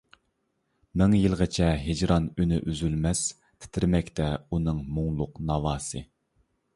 مىڭ يىلغىچە ھىجران ئۈنى ئۈزۈلمەس، تىترىمەكتە ئۇنىڭ مۇڭلۇق ناۋاسى.